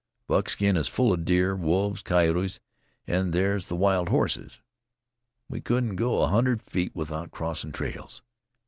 Buckskin is full of deer, wolves, coyotes, and there's the wild horses. We couldn't go a hundred feet without crossin' trails."